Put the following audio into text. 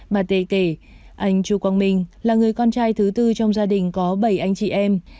mà tề kể anh chu quang minh là người con trai thứ tư trong gia đình có bảy anh chị em